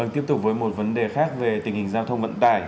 tiếp tục với một vấn đề khác về tình hình giao thông